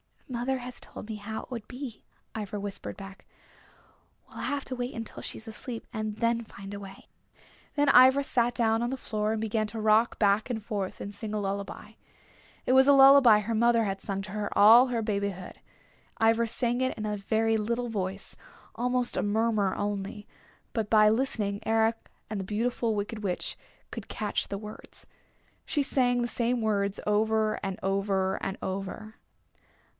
"Mother has told me how it would be," Ivra whispered back. "We'll have to wait until she's asleep and then find a way." Then Ivra sat down on the floor and began to rock back and forth and sing a lullaby. It was a lullaby her mother had sung to her all her babyhood, Ivra sang in a very little voice, almost a murmur only, but by listening Eric and the Beautiful Wicked Witch could catch the words. She sang the same words over and over and over.